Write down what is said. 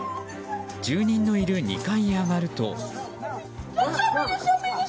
住人のいる２階へ上がると。